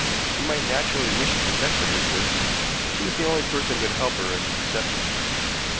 She might naturally wish to protect her mistress, and she was the only person who could help her in the deception.